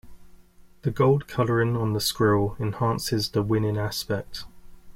The gold colouring on the squirrel enhances the winning aspect.